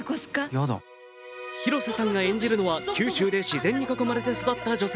広瀬さんが演じるのは九州で自然に囲まれて育った女性。